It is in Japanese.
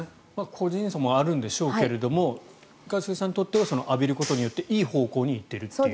個人差もあるんでしょうけれど一茂さんにとっては浴びることによっていい方向に行っているという。